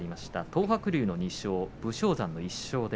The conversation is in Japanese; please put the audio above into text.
東白龍の２勝武将山の１勝。